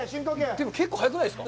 でも結構速くないですか？